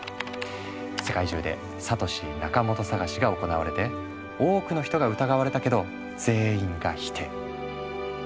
世界中でサトシ・ナカモト捜しが行われて多くの人が疑われたけど全員が否定。